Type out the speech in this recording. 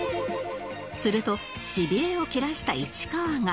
するとしびれを切らした市川が